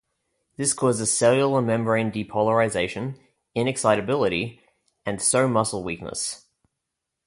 This causes cellular membrane depolarization, inexcitability, and so muscle weakness.